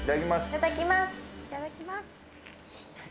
いただきます。